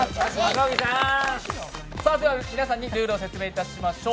皆さんにルールを説明いたしましょう。